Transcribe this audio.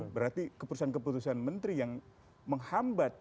berarti keputusan keputusan menteri yang menghambat